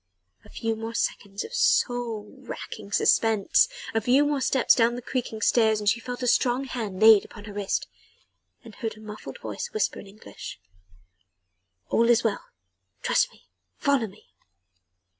A few more seconds of soul racking suspense, a few more steps down the creaking stairs and she felt a strong hand laid upon her wrist and heard a muffled voice whisper in English: "All is well! Trust me! Follow me!"